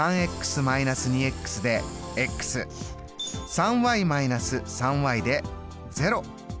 ３−３で０。